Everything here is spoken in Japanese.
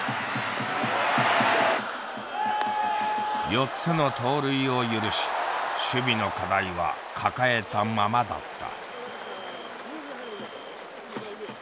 ４つの盗塁を許し守備の課題は抱えたままだった。